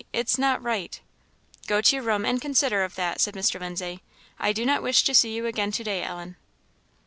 it's not right!" "Go to your room, and consider of that," said Mr. Lindsay. "I do not wish to see you again to day, Ellen."